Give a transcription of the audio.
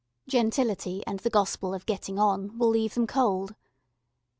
Gentility and the gospel of getting on will leave them cold.